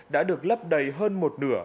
đã được lấp đầy hơn một nửa